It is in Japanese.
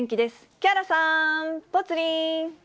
木原さん、ぽつリン。